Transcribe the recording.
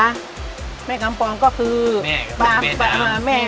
แม่กัมปองก็คือ